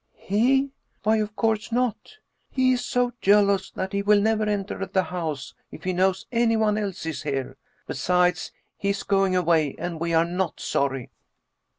" He ? Why, of course not. He is so jealous that he will never enter the house if he knows anyone else is here. Besides, he is going away and we are not sorry."